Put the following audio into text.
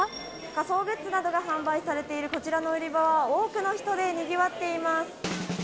仮装グッズなどが販売されているこちらの売り場は、多くの人でにぎわっています。